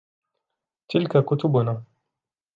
تلك كتبنا.